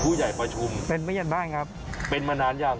ผู้ใหญ่ประชุมเป็นมันอย่างบ้านครับเป็นมานานหรือยัง